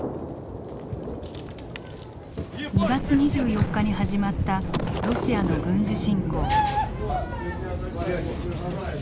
２月２４日に始まったロシアの軍事侵攻。